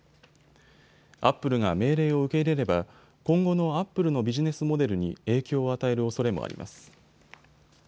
アップルが命令を受け入れれば今後のアップルのビジネスモデルに影響を与えるおそれもあります。